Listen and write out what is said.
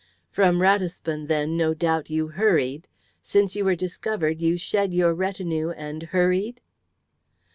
"From Ratisbon then no doubt you hurried? Since you were discovered, you shed your retinue and hurried?"